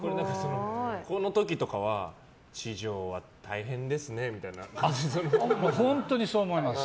この時とかは地上は大変ですねみたいな本当にそう思います。